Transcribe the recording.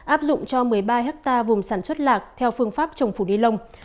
áp dụng cho một mươi ba hectare vùng sản xuất lạc theo phương pháp trồng phủ đi lông